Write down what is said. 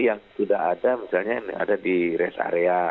yang sudah ada misalnya ada di rest area